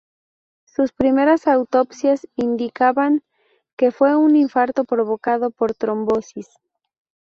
Sus primeras autopsias indicaban que fue un infarto provocado por trombosis.